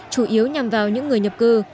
chủ yếu nhằm vào những người nhập cư